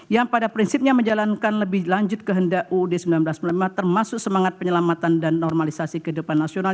yang pada prinsipnya menjalankan lebih lanjut kehendak uud seribu sembilan ratus empat puluh lima termasuk semangat penyelamatan dan normalisasi kehidupan nasional